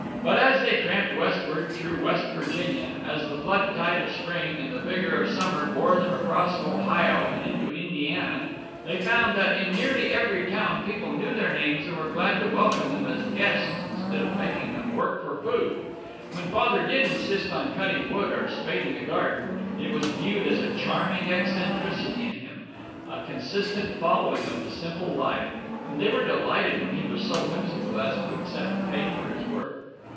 But as they tramped westward through West Virginia, as the flood tide of spring and the vigor of summer bore them across Ohio and into Indiana, they found that in nearly every town people knew their names and were glad to welcome them as guests instead of making them work for food. When Father did insist on cutting wood or spading a garden, it was viewed as a charming eccentricity in him, a consistent following of the simple life, and they were delighted when he was so whimsical as to accept pay for his work.